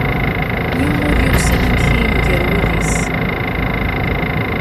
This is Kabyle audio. Yiwen ur yuksan amek yenger wul-is.